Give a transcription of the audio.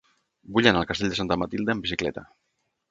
Vull anar al carrer de Santa Matilde amb bicicleta.